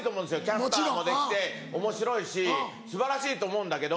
キャスターもできておもしろいし素晴らしいと思うんだけど。